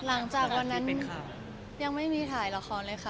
หลังจากวันนั้นยังไม่มีถ่ายละครเลยค่ะ